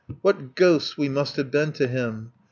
What ghosts we must have been to him!